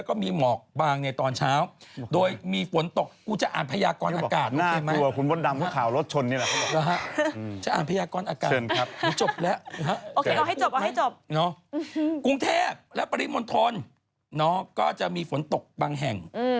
ก็ยังคงมีอากาศเย็นและก็มีเห